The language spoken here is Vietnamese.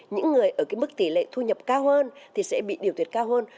những người ở mức tỷ lệ thu nhập cao hơn thì sẽ bị điều tuyệt cao hơn